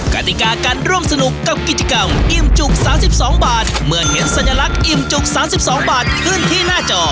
กติกาการร่วมสนุกกับกิจกรรมอิ่มจุก๓๒บาทเมื่อเห็นสัญลักษณ์อิ่มจุก๓๒บาทขึ้นที่หน้าจอ